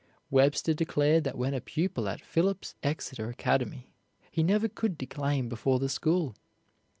Webster declared that when a pupil at Phillips Exeter Academy he never could declaim before the school.